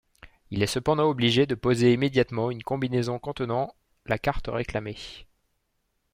Il est cependant obligé de poser immédiatement une combinaison contenant la carte réclamée.